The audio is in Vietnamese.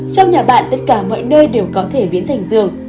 trong nhà bạn tất cả mọi nơi đều có thể biến thành giường